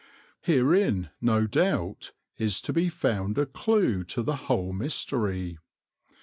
Herein, no doubt, is to be found a clue to the whole mystery.